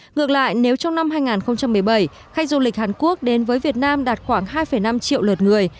ngược lại nếu trong năm hai nghìn một mươi bảy khách du lịch hàn quốc đến với việt nam đạt khoảng hai năm triệu lượt người